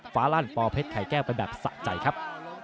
ฟ้าลั่นปอเพชรไข่แก้วไปแบบสะใจครับ